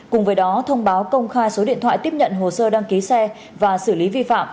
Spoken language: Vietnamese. cùng với đó thông báo công khai số điện thoại tiếp nhận hồ sơ đăng ký xe và xử lý vi phạm